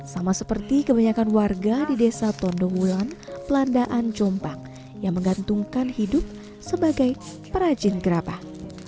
sama seperti kebanyakan warga di desa tondowulan pelandaan jombang yang menggantungkan hidup sebagai perajin gerabah